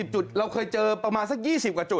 จุดเราเคยเจอประมาณสัก๒๐กว่าจุด